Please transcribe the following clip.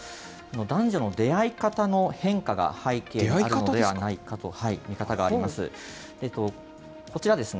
男女の出会い方の変化が背景にあるのではないかという見方があります。